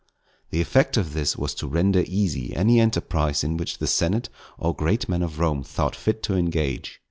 The effect of this was to render easy any enterprise in which the senate or great men of Rome thought fit to engage.